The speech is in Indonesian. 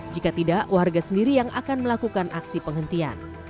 jika tidak warga sendiri yang akan melakukan aksi penghentian